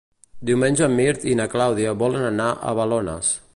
Diumenge en Mirt i na Clàudia volen anar a Balones.